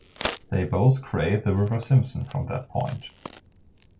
They both create the river Simpson from that point.